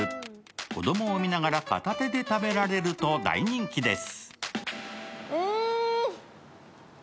子供を見ながら片手で食べられると大人気です。